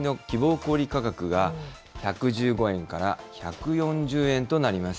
小売り価格が、１１５円から１４０円となります。